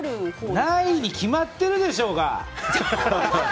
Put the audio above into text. ないに決まってるでしょうが！